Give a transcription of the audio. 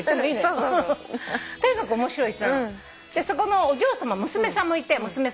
そこのお嬢さま娘さんもいて。